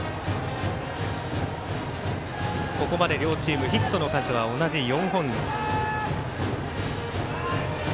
ここまで両チームヒットの数は同じ４本ずつ。